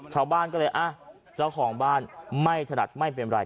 ชาวบ้านก็เลยอ่ะเจ้าของบ้านไม่ถนัดไม่เป็นไร